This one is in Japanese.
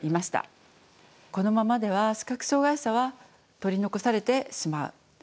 このままでは視覚障害者は取り残されてしまう。